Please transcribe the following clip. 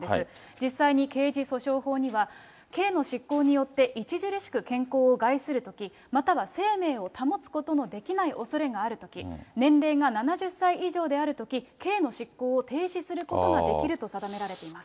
実際に刑事訴訟法には、刑の執行によって、著しく健康を害するとき、または生命を保つことのできないおそれがあるとき、年齢が７０歳以上であるとき、刑の執行を停止することができると定められています。